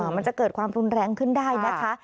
มันจะเกิดความรุนแรงขึ้นได้นะคะ